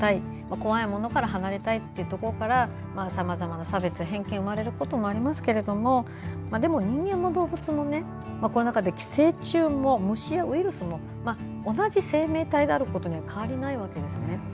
怖いものから離れたいというところからさまざまな差別や偏見が生まれることもありますけどでも人間も動物もこの中で、寄生虫も虫やウイルスも同じ生命体であることには変わりないわけですね。